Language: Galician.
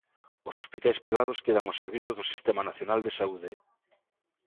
Os hospitais privados quedan ao servizo do Sistema Nacional de Saúde.